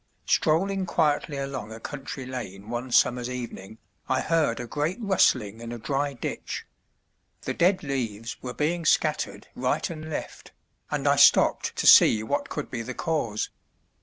Strolling quietly along a country lane one summer's evening, I heard a great rustling in a dry ditch, the dead leaves were being scattered right and left, and I stopped to see what could be the cause.